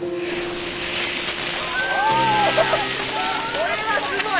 これはすごい！